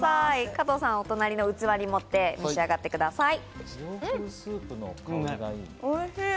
加藤さん、お隣の器に盛って、召し上がってください。